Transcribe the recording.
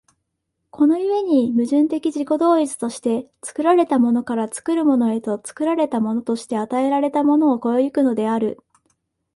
この故に矛盾的自己同一として、作られたものから作るものへと、作られたものとして与えられたものを越え行くのである。